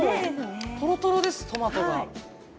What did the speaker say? とろとろです、トマトが。